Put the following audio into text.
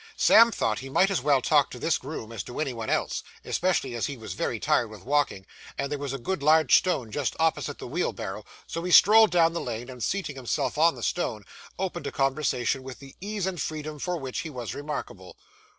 Sam thought he might as well talk to this groom as to any one else, especially as he was very tired with walking, and there was a good large stone just opposite the wheel barrow; so he strolled down the lane, and, seating himself on the stone, opened a conversation with the ease and freedom for which he was remarkable.